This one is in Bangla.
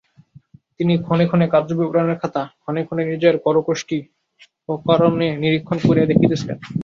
তিনি ক্ষণে ক্ষণে কার্যবিবরণের খাতা, ক্ষণে ক্ষণে নিজের করকোষ্ঠী অকারণে নিরীক্ষণ করিয়া দেখিতেছিলেন।